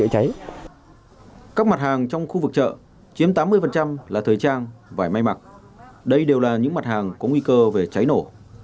các mặt hàng trong khu vực chợ chiếm tám mươi là thời trang vải may mặc đây đều là những mặt hàng có nguy cơ về cháy nổ